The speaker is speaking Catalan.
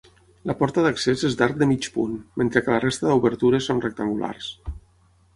La porta d'accés és d'arc de mig punt, mentre que la resta d'obertures són rectangulars.